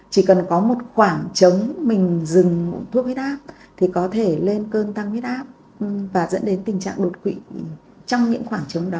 chỉ cần có một khoảng trống mình dừng thuốc huyết áp thì có thể lên cơn tăng huyết áp và dẫn đến tình trạng đột quỵ trong những khoảng trống đó